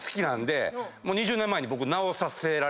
２０年前に僕。